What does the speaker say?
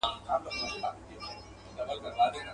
شرنګی دی د ناپایه قافلې د جرسونو.